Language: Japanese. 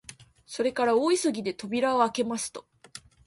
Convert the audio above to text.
それから大急ぎで扉をあけますと、